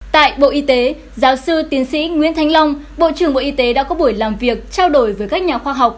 tại bộ y tế giáo sư tiến sĩ nguyễn thanh long bộ trưởng bộ y tế đã có buổi làm việc trao đổi với các nhà khoa học